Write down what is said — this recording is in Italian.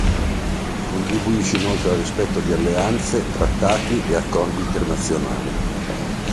Contribuisce inoltre al rispetto di alleanze, trattati e accordi internazionali.